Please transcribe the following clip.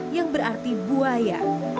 dan boyo yang berarti buaya